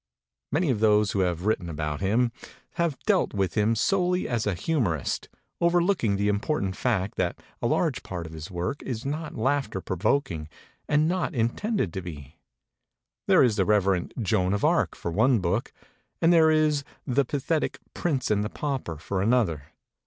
Many of those who have written about him 282 MEMORIES OF MARK TWAIN have dealt with him solely as a humorist, over looking the important fact that a large part of his work is not laughter provoking and not in tended to be. There is the reverent 'Joan of Arc' for one book, and there is the pathetic 'Prince and the Pauper' for another.